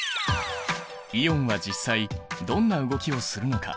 イオンは実際どんな動きをするのか？